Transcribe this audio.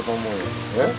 えっ？